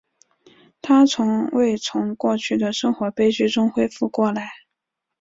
她从未从过去的生活悲剧中恢复过来。